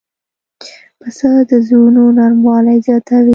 پسه د زړونو نرموالی زیاتوي.